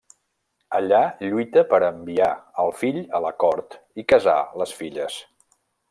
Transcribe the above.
Allà lluita per enviar el fill a la cort i casar les filles.